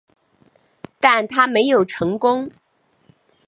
但它没有成功。